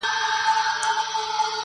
د دې نوي کفن کښ نوې نخره وه-